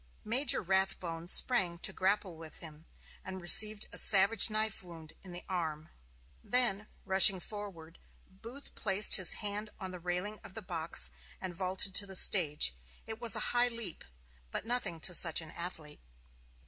Major Rathbone sprang to grapple with him, and received a savage knife wound in the arm. Then, rushing forward, Booth placed his hand on the railing of the box and vaulted to the stage. It was a high leap, but nothing to such an athlete.